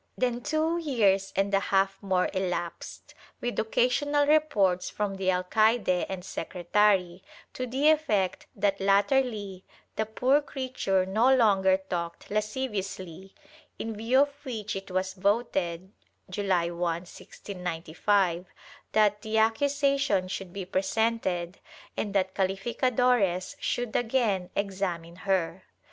Then two years and a half more elapsed, with occasional reports from the alcaide and secretary, to the effect that latterly the poor creature no longer talked lasciviously, in view of which it was voted, July 1, 1695, that the accusation should be presented and that calificadores should again examine her.